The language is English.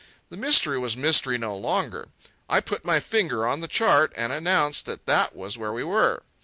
The mystery was mystery no longer. I put my finger on the chart and announced that that was where we were.